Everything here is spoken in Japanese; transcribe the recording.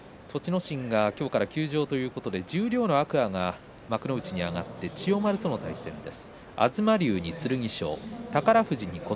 心が今日から休場で十両の天空海が幕内に上がって千代丸との対戦です。